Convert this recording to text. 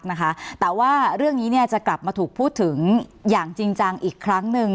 นะคะแต่ว่าเรื่องนี้เนี่ยจะกลับมาถูกพูดถึงอย่างจริงจังอีกครั้งหนึ่ง